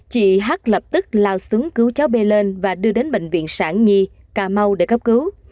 chị h lập tức lao xuống cứu cháu bê lên và đưa đến bệnh viện sản nhi cà mau để cấp cứu